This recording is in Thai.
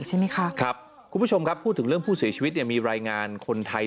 ใช่ไหมคะครับคุณผู้ชมครับพูดถึงเรื่องผู้เสียชีวิตเนี่ยมีรายงานคนไทย